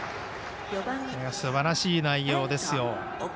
すばらしい内容ですよ。